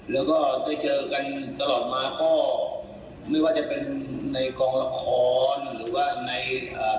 แล้วก็ได้เจอกันตลอดมาก็ไม่ว่าจะเป็นในกองละครหรือว่าในอ่า